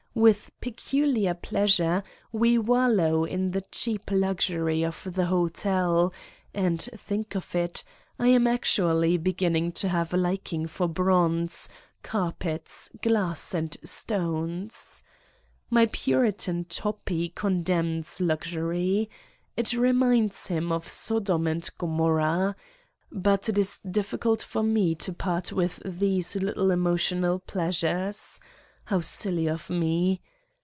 With peculiar pleasure we wallow in the cheap luxury of the hotel, and think of it ! I am actually beginning to have a liking for bronze, carpets, glass and stones. My Puritan Toppi condemns luxury. It reminds him of Sodom and Gommorah. But it is difficult for me to part with these little emotional pleasures. How silly of me